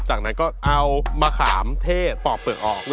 จากนั้นก็เอามะขามเทศปอกเปลือกออก